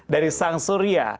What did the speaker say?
dari sang surya